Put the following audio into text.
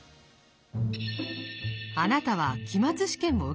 あなたは期末試験を受けています。